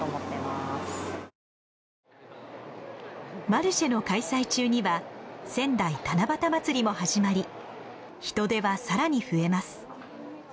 マルシェの開催中には仙台七夕まつりも始まり人出はさらに増えます。